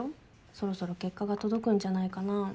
そろそろ結果が届くんじゃないかな。